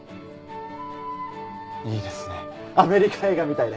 いいですねアメリカ映画みたいで。